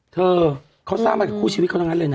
เธอเค้าสร้างมากับผู้ชีวิตเขานั้นเลยนะ